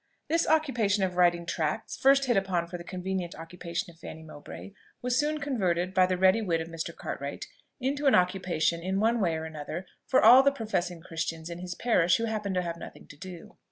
This occupation of writing tracts, first hit upon for the convenient occupation of Fanny Mowbray, was soon converted, by the ready wit of Mr. Cartwright, into an occupation, in one way or another, for all the professing Christians in his parish who happened to have nothing to do.